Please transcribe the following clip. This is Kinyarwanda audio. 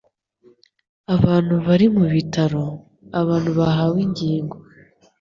abantu bari mu bitaro, abantu bahawe ingingo